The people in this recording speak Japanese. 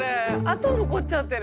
痕残っちゃってる。